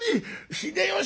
「秀吉！